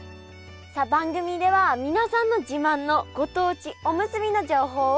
さあ番組では皆さんの自慢のご当地おむすびの情報をお待ちしております。